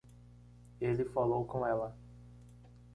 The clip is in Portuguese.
Ele falou com ela.